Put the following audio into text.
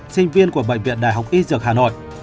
sinh viên của bệnh viện đại học y dược hà nội